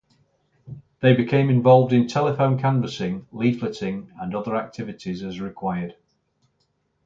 They became involved in telephone canvassing, leafleting and other activities as required.